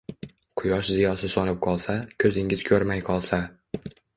Quyosh ziyosi so‘nib qolsa, ko‘zingiz ko‘rmay qolsa.